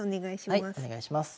はいお願いします。